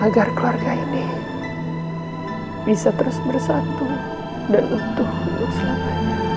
agar keluarga ini bisa terus bersatu dan untung selamanya